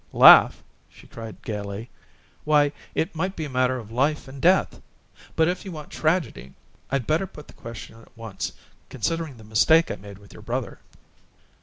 "'Laugh'!" she cried, gaily. "Why, it might be a matter of life and death! But if you want tragedy, I'd better put the question at once, considering the mistake I made with your brother."